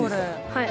はい。